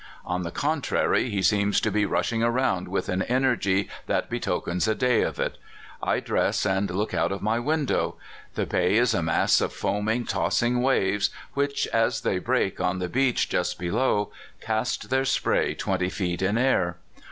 On the contrary, he seems to be rushing around with an energy that betokens a day of it, I dress, and look out of my window. The bay is a mass of foaming, tossing w r aves, which, as they break on the beach just be low, cast their spray twenty feet in air.